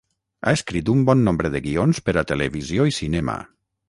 Ha escrit un bon nombre de guions per a televisió i cinema.